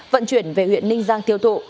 vận chuyển về huyện ninh giang tiêu thụ